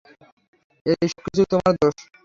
এই সবকিছু তোমার দোষ!